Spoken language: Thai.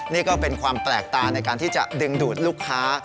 นี่ก็เป็นความแปลกตาในการที่จะดึงดูดลูกค้า